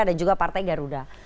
ada juga partai garuda